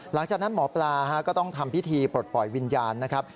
หลังจากนั้นหมอปลาก็ต้องทำพิธีปลดปล่อยวิญญาณนะครับ